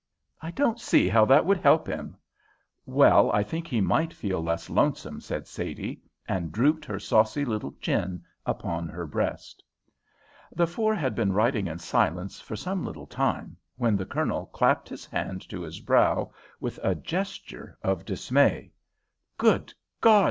"I don't see how that would help him." "Well, I think he might feel less lonesome," said Sadie, and drooped her saucy little chin upon her breast. The four had been riding in silence for some little time, when the Colonel clapped his hand to his brow with a gesture of dismay. "Good God!"